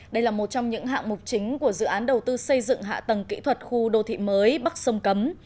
đây là một trong những hạng mục chính của dự án đầu tư xây dựng hạ tầng kỹ thuật khu đô thị mới bắc sông cấm